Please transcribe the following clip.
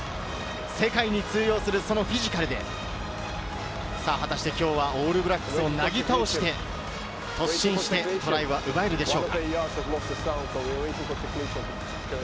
世界に通用するフィジカルで今日はオールブラックスをなぎ倒して、突進してトライは奪えるでしょうか。